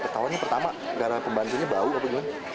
pertahuannya pertama garaan pembantunya bau apa gimana